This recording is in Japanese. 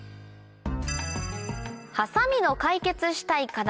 ハサミの解決したい課題